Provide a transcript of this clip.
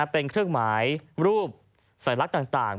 เป็นเครื่องหมายรูปสัญลักษณ์ต่าง